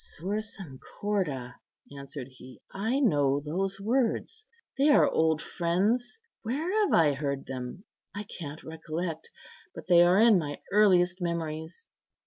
" 'Sursum corda!' " answered he; "I know those words. They are old friends; where have I heard them? I can't recollect; but they are in my earliest memories.